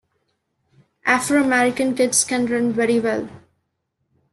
Afro-American kids can run very well.